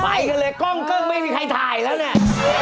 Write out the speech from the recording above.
ไปกันเลยกล้องเกิ้งไม่มีใครถ่ายแล้วเนี่ย